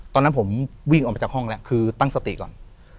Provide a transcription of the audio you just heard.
ตอนนั้นผมวิ่งออกมาจากห้องแล้วคือตั้งสติก่อน